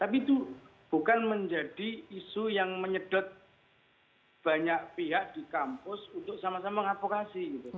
tapi itu bukan menjadi isu yang menyedot banyak pihak di kampus untuk sama sama mengadvokasi